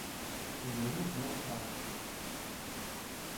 У яе зноў траўма.